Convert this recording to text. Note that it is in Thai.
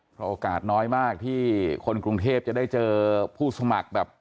เพราะโอกาสน้อยมากที่คนกรุงเทพจะได้เจอผู้สมัครแบบ